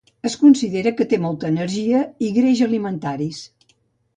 Es considera que té molta energia i greix alimentaris.